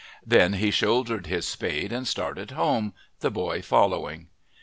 Then he shouldered his spade and started home, the boy following.